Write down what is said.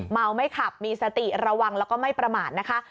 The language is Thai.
เมาไม่ขับมีสติระวังแล้วก็ไม่ประมาทนะคะ